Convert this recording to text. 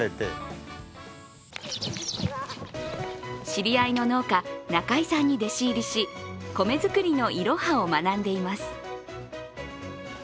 知り合いの農家・中井さんに弟子入りし米作りのいろはを学んでいます。